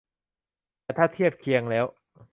แต่ถ้าเทียบเคียงแล้ว